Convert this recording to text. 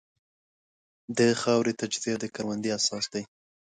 د خاورې تجزیه د کروندې اساس دی.